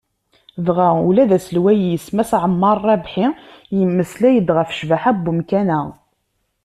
Dɣa ula d aselway-is Mass Ɛemmar Rabḥi, yemmeslay-d ɣef ccbaḥa n umkan-a.